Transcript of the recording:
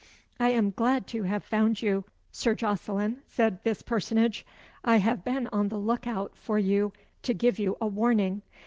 "I am glad to have found you, Sir Jocelyn," said this personage. "I have been on the look out for you to give you a warning.